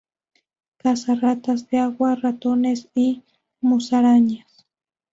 Caza ratas de agua, ratones y musarañas.